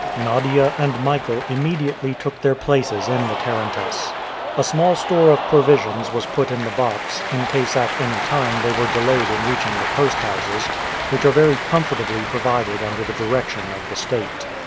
Nadia and Michael immediately took their places in the tarantass. A small store of provisions was put in the box, in case at any time they were delayed in reaching the post houses, which are very comfortably provided under direction of the State.